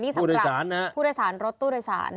นี่สำหรับผู้โดยสารรถตู้โดยสาร